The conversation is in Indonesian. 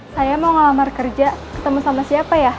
saya mau ngelamar kerja ketemu sama siapa ya